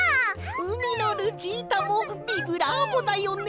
「うみのルチータもビブラーボだよね」。